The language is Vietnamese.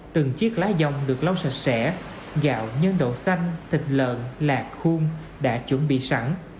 từng chiếc lá dông được lau sạch sẽ gạo nhân đậu xanh thịt lợn lạc khuôn đã chuẩn bị sẵn